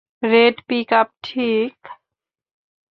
Red pickup, ঠিক?